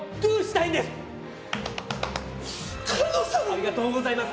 ありがとうございます。